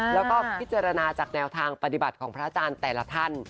แล้วก็พิจารณาจากแนวทางปฏิบัติของพระอาจารย์แต่ละท่าน